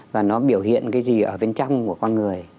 và nó biểu hiện cái gì ở bên trong của con người